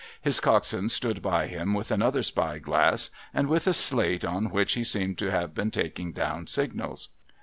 His coxswain stood by him with another spy glass, and with a slate on which he seemed to have been taking down signals.